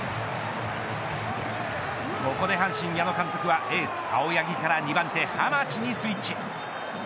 ここで阪神矢野監督はエース青柳から２番手浜地にスイッチ。